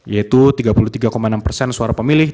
yaitu tiga puluh tiga enam persen suara pemilih